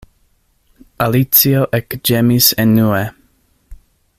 Alicio ekĝemis enue.